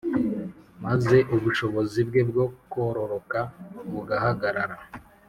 Maze ubushobozi bwe bwo kororoka bugahagarara